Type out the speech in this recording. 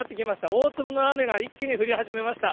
大粒の雨が一気に降り始めました。